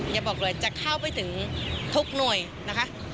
อย่าบอกเลยจะเข้าไปถึงทุกหน่วยนะคะ